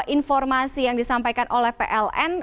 informasi yang disampaikan oleh pln